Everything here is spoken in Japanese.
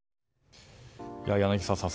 柳澤さん。